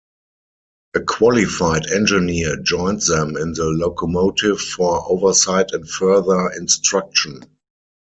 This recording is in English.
A qualified engineer joins them in the locomotive for oversight and further instruction.